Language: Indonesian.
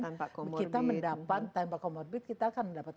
tanpa comorbid kita mendapatkan tanpa comorbid kita mendapatkan